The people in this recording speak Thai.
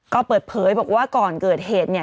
ก็เปิดเผยบอกว่าก่อนเกิดเหตุเนี่ย